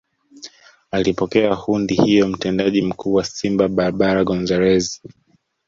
Akipokea hundi hiyo Mtendaji Mkuu wa Simba Barbara Gonzalez